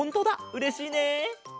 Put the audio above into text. うれしいねえ。